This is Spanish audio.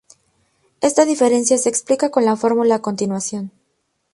Esta diferencia se explica con la fórmula a continuación.